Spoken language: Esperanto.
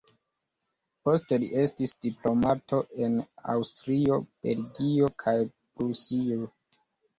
Poste li estis diplomato en Aŭstrio, Belgio kaj Prusio.